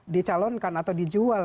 dicalonkan atau dijual